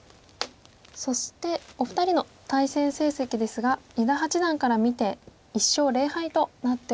そしてお二人の対戦成績ですが伊田八段から見て１勝０敗となっております。